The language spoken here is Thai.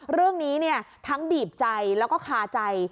เรื่องนี้ทั้งบีบใจแล้วก็คาใจ